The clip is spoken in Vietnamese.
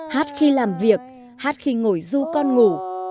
hát khi làm việc hát khi ngồi du con ngủ